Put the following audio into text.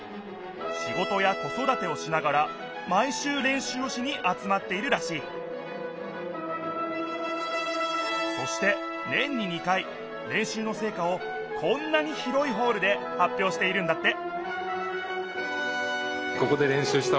仕事や子そだてをしながら毎週練習をしに集まっているらしいそして年に２回練習のせいかをこんなに広いホールではっぴょうしているんだって